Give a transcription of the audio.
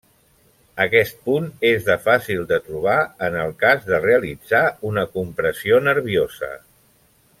Aquest punt és de fàcil de trobar en el cas de realitzar una compressió nerviosa.